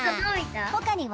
ほかには？